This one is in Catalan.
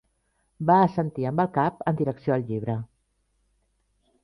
Va assentir amb el cap en direcció al llibre.